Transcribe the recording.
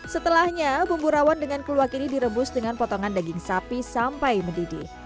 setelahnya bumbu rawan dengan keluak ini direbus dengan potongan daging sapi sampai mendidih